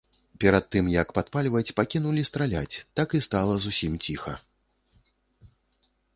Перад тым як падпальваць, пакінулі страляць, так і стала зусім ціха.